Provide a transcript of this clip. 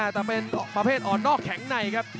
แต่เป็นประเภทอ่อนนอกแข็งในครับ